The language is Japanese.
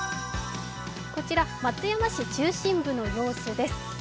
こちら松山市中心部の様子です。